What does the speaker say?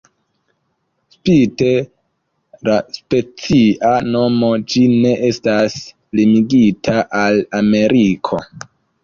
Spite la specia nomo, ĝi ne estas limigita al Ameriko.